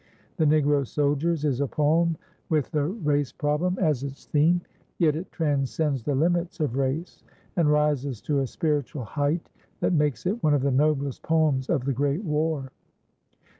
"The Negro Soldiers" is a poem with the race problem as its theme, yet it transcends the limits of race and rises to a spiritual height that makes it one of the noblest poems of the Great War.